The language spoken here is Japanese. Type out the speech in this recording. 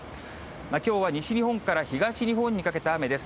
きょうは西日本から東日本にかけて雨です。